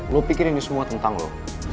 lo pikir ini semua tentang lo